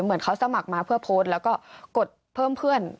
เหมือนเขาสมัครมาเพื่อโพสต์แล้วก็กดเพิ่มเพื่อน